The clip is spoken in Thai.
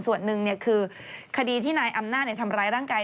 ส่วนหนึ่งคือคดีที่นายอำนาจทำร้ายร่างกาย